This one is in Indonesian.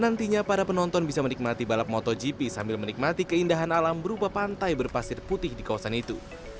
nantinya para penonton bisa menikmati balap motogp sambil menikmati keindahan alam berupa pantai berpasir putih di kawasan itu